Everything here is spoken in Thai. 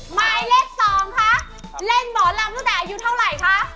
หมายเลข๒คะเล่นหมอลำตั้งแต่อายุเท่าไหร่คะ